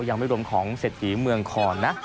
ยังไม่รวมของเศรษฐีเมืองคอนนะ